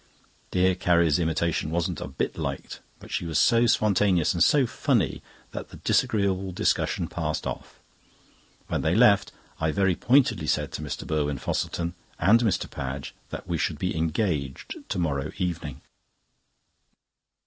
Dear Carrie's imitation wasn't a bit liked, but she was so spontaneous and so funny that the disagreeable discussion passed off. When they left, I very pointedly said to Mr. Burwin Fosselton and Mr. Padge that we should be engaged to morrow evening.